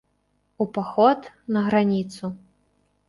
У паход, на граніцу.